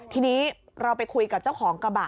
ทีนี้เราไปคุยกับเจ้าของกระบะ